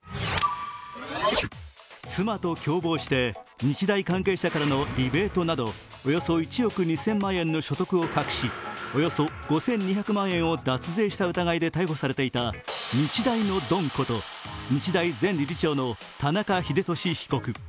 妻と共謀して日大関係者からのリベートなどおよそ１億２０００万円の所得を隠し、およそ５２００万円を脱税した疑いで逮捕されていたて日大のドンこと日大前理事長の田中英寿被告。